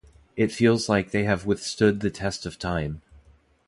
It feels like they have withstood the test of time.